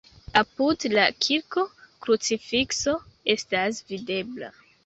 Apud la kirko krucifikso estas videbla.